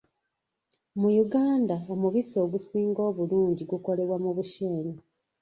Mu Uganda omubisi ogusinga obulungi gukolebwa mu Bushenyi.